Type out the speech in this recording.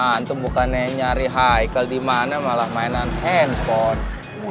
antum bukannya nyari haikel dimana malah mainan handphone